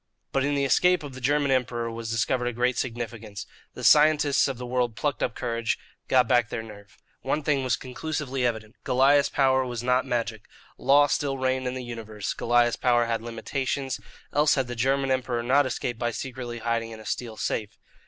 But in the escape of the German Emperor was discovered a great significance. The scientists of the world plucked up courage, got back their nerve. One thing was conclusively evident Goliah's power was not magic. Law still reigned in the universe. Goliah's power had limitations, else had the German Emperor not escaped by secretly hiding in a steel safe.